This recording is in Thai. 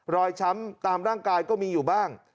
ช้ำตามร่างกายก็มีอยู่บ้าง